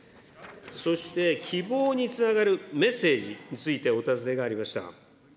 そして、希望につながるメッセージについてお尋ねがありました。